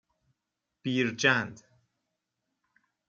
بیرجند